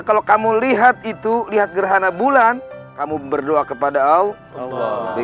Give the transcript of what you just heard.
kalau kamu lihat itu lihat gerhana bulan kamu berdoa kepada allah